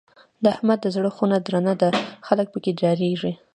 د احمد دی زړه خونه درنه ده؛ خلګ په کې ډارېږي.